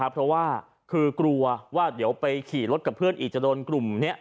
เพราะว่าคือกลัวว่าเดี๋ยวไปขี่รถกับเพื่อนอีกจะโดนกลุ่มนี้